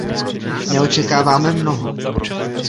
Neočekáváme mnoho.